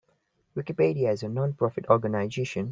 Wikipedia is a non-profit organization.